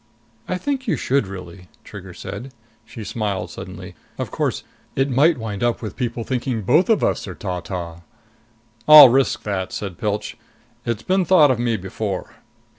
"I think you should, really," Trigger said. She smiled suddenly. "Of course, it might wind up with people thinking both of us are ta ta!" "I'll risk that," said Pilch. "It's been thought of me before."